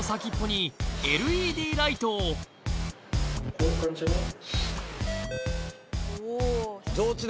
こういう感じじゃない？